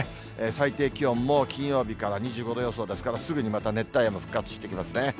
最低気温も金曜日から２５度予想ですから、すぐにまた熱帯夜も復活してきますね。